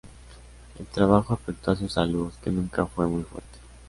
El trabajo afectó a su salud, que nunca fue muy fuerte.